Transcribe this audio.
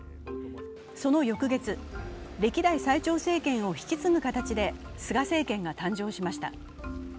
その翌月、歴代最長政権を引き継ぐ形で菅政権が誕生しました。